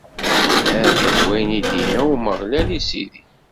Ha-t-an wayen i d-inna Umeɣlal i Sidi.